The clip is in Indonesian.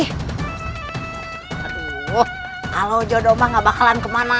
aduh kalau jodoh mak tidak kemana